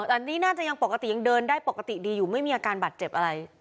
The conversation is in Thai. อันนี้น่าจะยังปกติยังเดินได้ปกติดีอยู่ไม่มีอาการบาดเจ็บอะไร